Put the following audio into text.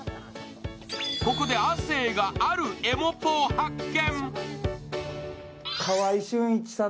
ここで亜生が、あるエモポを発見。